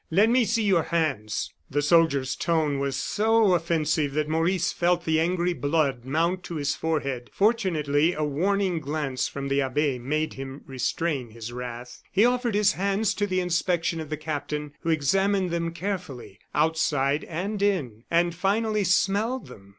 Let me see your hands." The soldier's tone was so offensive that Maurice felt the angry blood mount to his forehead. Fortunately, a warning glance from the abbe made him restrain his wrath. He offered his hands to the inspection of the captain, who examined them carefully, outside and in, and finally smelled them.